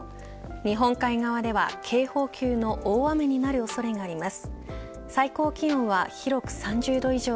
日本海側では警報級の大雨になる恐れがあります。